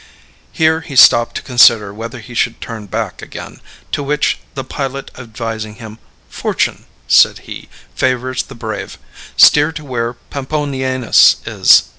Here he stopped to consider whether he should turn back again, to which, the pilot advising him, "Fortune," said he, "favors the brave; steer to where Pomponianus is."